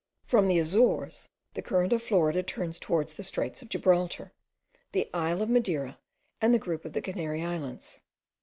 From the Azores, the current of Florida turns towards the straits of Gibraltar, the isle of Madeira, and the group of the Canary Islands.